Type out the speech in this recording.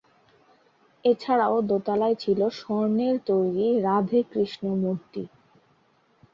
এছাড়াও দোতালায় ছিল স্বর্ণের তৈরি রাধ-কৃষ্ণ মূর্তি।